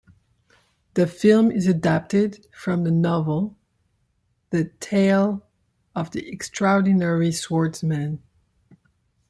The film is adapted from the novel "The Tale of the Extraordinary Swordsman".